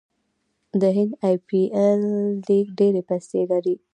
د هند ای پي ایل لیګ ډیرې پیسې لري.